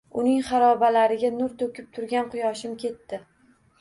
Uning harobalariga nur to’kib turgan quyoshim ketdi.